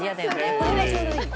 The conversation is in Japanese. これはちょうどいい。